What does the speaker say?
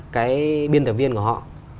cái biên tập viên của họ